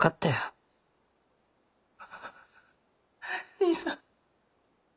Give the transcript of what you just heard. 兄さん